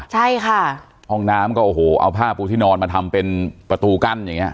ใช่ค่ะห้องน้ำก็โอ้โหเอาผ้าปูที่นอนมาทำเป็นประตูกั้นอย่างเงี้